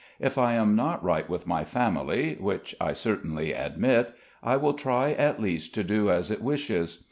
If I am not right with my family, which I certainly admit, I will try at least to do as it wishes.